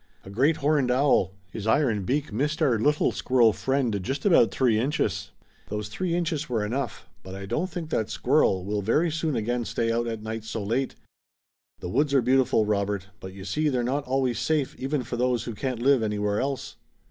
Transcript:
"A great horned owl. His iron beak missed our little squirrel friend just about three inches. Those three inches were enough, but I don't think that squirrel will very soon again stay out at night so late. The woods are beautiful, Robert, but you see they're not always safe even for those who can't live anywhere else."